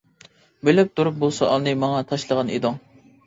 بىلىپ تۇرۇپ بۇ سوئالنى ماڭا تاشلىغان ئىدىڭ.